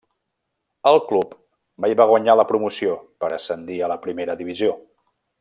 El club mai va guanyar la promoció per ascendir a la Primera Divisió.